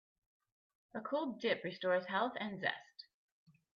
A cold dip restores health and zest.